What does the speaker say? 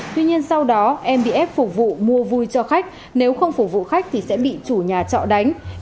tuy nhiên sau đó em bị ép phục vụ mua vui cho khách nếu không phục vụ khách thì sẽ bị chủ nhà trọ đánh